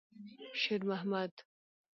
شېرمحمد.